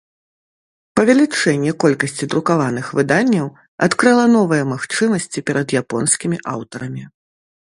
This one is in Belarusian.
Павялічэнне колькасці друкаваных выданняў адкрыла новыя магчымасці перад японскімі аўтарамі.